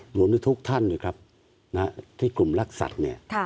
รวมทุกท่านนะครับที่กลุ่มรักษัตริย์เนี่ย